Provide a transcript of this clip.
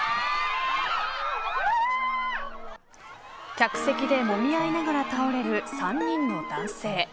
客席で、もみ合いながら倒れる３人の男性。